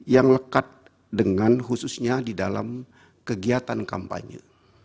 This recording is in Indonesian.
yang lekat dengan khususnya di dalam kegiatan kampanye